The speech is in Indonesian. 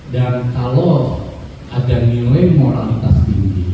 dan kalau ada nilai moralitas tinggi